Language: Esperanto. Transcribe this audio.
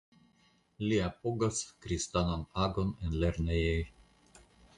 Li apogas kristanan agon en lernejoj.